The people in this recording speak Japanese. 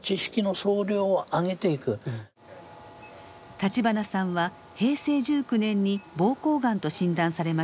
立花さんは平成１９年に膀胱がんと診断されました。